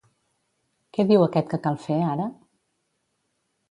Què diu aquest que cal fer ara?